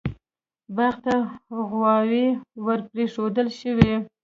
باغ ته غواوې ور پرېښودل شوې.